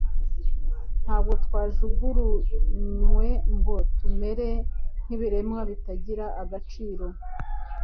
ntabwo twajuguruywe ngo tumere nk'ibiremwa bitagira agaciro.